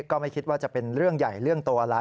ก็ไม่คิดว่าจะเป็นเรื่องใหญ่เรื่องโตอะไร